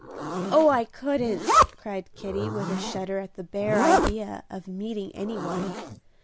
"Oh, I couldn't," cried Kitty, with a shudder at the bare idea of meeting any one.